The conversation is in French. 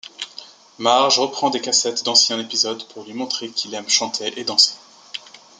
Marge reprend des cassettes d'anciens épisodes pour lui montrer qu'il aime chanter et danser.